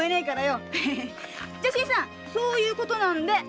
じゃ新さんそういうことなんで。